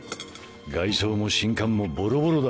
外装も信管もボロボロだ。